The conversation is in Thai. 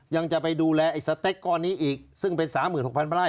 ยังจะไปดูแลสเต็กต์ก้อนนี้อีกซึ่งเป็น๓๖๐๐๐บาท